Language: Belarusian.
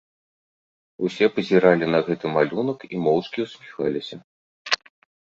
Усе пазіралі на гэты малюнак і моўчкі ўсміхаліся.